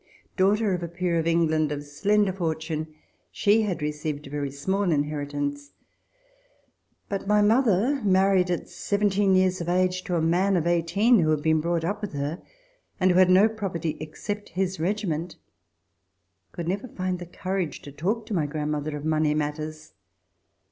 Daughter of a Peer of England of slender fortune, she had received a very small inheritance. But my mother, married at seventeen years of age to a man of eighteen, who had been brought up with her, and who had no property except his regiment, could never find the courage to talk to my grand mother of money matters.